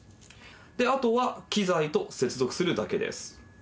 あとは機材と接続するだけです。